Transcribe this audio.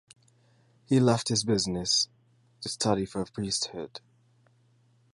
He left his business, to study for the priesthood.